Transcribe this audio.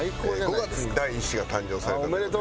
５月に第一子が誕生されたという。